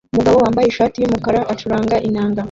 Umugabo wambaye ishati yumukara acuranga inanga